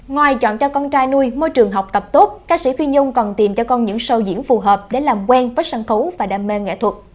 ngoài chọn cho con trai nuôi môi trường học tập tốt ca sĩ phi nhung còn tìm cho con những show diễn phù hợp để làm quen với sân khấu và đam mê nghệ thuật